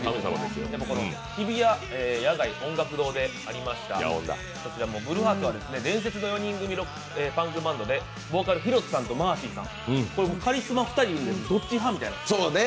日比谷野外音楽堂でありましたＢＬＵＥＨＥＡＲＴＳは伝説の４人組パンクバンドでボーカル、ヒロトさんとマーシーさん、カリスマ２人いるんでどっち派？みたいな。